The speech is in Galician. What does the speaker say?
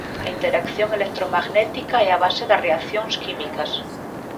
A interacción electromagnética é a base das reaccións químicas.